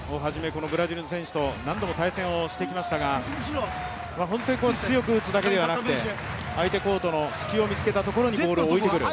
このブラジルの選手と何度も対戦をしてきましたが本当に強く打つだけではなくて相手コートの隙を見つけたところにボールを置いてくる。